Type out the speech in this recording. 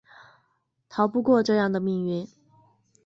逃不过这样的命运